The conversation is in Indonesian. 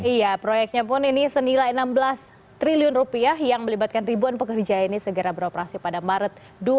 iya proyeknya pun ini senilai enam belas triliun rupiah yang melibatkan ribuan pekerja ini segera beroperasi pada maret dua ribu dua puluh